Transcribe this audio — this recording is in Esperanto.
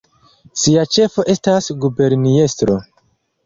Sia ĉefo estas guberniestro.